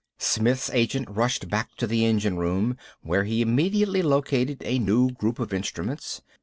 Smith's agent rushed back to the engine room, where he immediately located a new group of instruments.